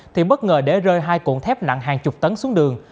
thì bất ngờ để rơi hai cụm thép nặng hàng chục tấn xuống đường